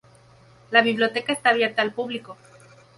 La biblioteca está abierta al público.